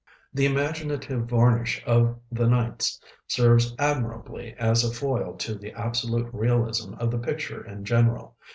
The imaginative varnish of 'The Nights' serves admirably as a foil to the absolute realism of the picture in general.